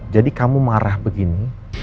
jadi kamu marah begini